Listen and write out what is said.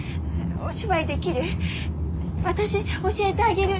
お芝居できる？